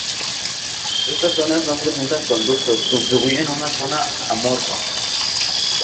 Estas zonas no presentan conductos y constituyen una zona amorfa.